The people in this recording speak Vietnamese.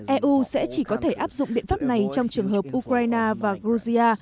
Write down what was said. eu sẽ chỉ có thể áp dụng biện pháp này trong trường hợp ukraine và georgia